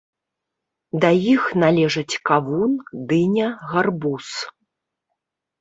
Да іх належаць кавун, дыня, гарбуз.